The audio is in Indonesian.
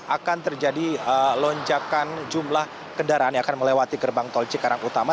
akan terjadi lonjakan jumlah kendaraan yang akan melewati gerbang tol cikarang utama